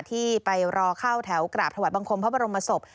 ที่ไปรอเข้าแถวกราบถวายบังคมพระบรมศพ